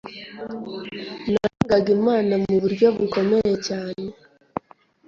nangaga Imana mu buryo bukomeye cyane